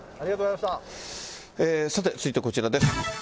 さて、続いてこちらです。